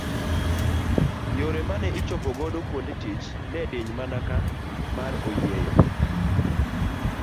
Yore mane ichopo godo kuonde tich ne diny mana ka mar oyieyo.